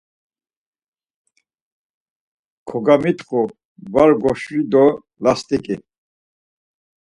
Kogamitxu, var goşidu last̆iǩi